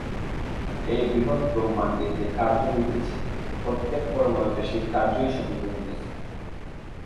এই বৃহৎ ব্রহ্মাণ্ডে যে কার্য হইতেছে, প্রত্যেক পরমাণুতে সেই কার্যই সাধিত হইতেছে।